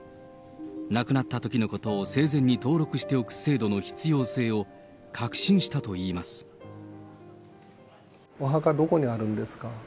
亡くなったときのことを生前に登録しておく制度の必要性を確信しお墓どこにあるんですか？